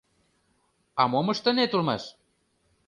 — А мом ыштынет улмаш?